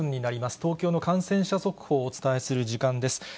東京の感染者速報をお伝えする時間です。